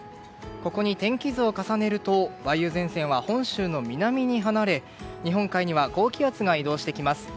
ここに天気図を重ねると梅雨前線は本州の南に離れ日本海には高気圧が移動してきます。